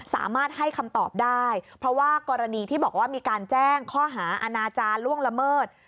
สามารถให้คำตอบได้เพราะว่ากรณีที่บอกว่ามีการแจ้งข้อหาอาณาจารย์ล่วงละเมิด